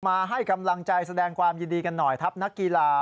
มาให้กำลังใจแสดงความยินดีกันหน่อยทัพนักกีฬา